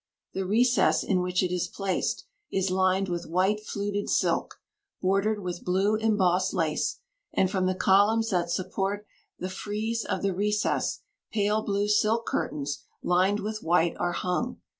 The recess in which it is placed, is lined with white fluted silk, bordered with blue embossed lace; and from the columns that support the frieze of the recess, pale blue silk curtains, lined with white, are hung.